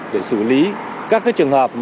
để xử lý các trường hợp